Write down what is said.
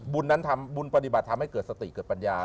บุญนั้นทำบุญปฏิบัติทำให้เกิดสติเกิดปัญญา